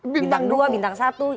bintang dua bintang satu